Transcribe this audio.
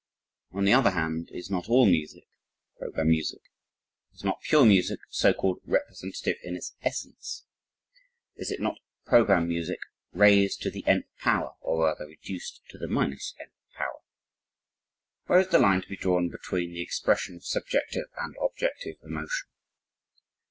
On the other hand is not all music, program music, is not pure music, so called, representative in its essence? Is it not program music raised to the nth power or rather reduced to the minus nth power? Where is the line to be drawn between the expression of subjective and objective emotion?